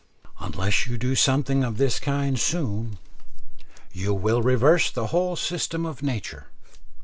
Unless you do something of this kind soon, you will reverse the whole system of nature.